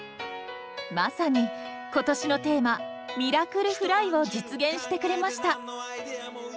まさに今年のテーマ「ミラクルフライ」を実現してくれました。